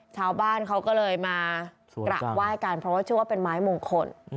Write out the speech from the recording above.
ชาวบ้านเขาก็เลยมากราบไหว้กันเพราะว่าชื่อว่าเป็นไม้มงคล